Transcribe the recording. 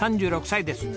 ３６歳です。